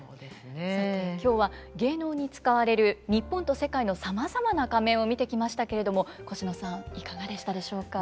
さて今日は芸能に使われる日本と世界のさまざまな仮面を見てきましたけれどもコシノさんいかがでしたでしょうか？